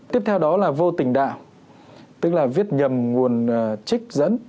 tiếp theo đó là vô tình đạo tức là viết nhầm nguồn trích dẫn